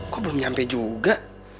kok belum nyampe juga